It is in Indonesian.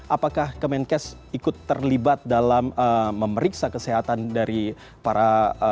apakah kemenkes ikut terlibat dalam memeriksa kesehatan dari para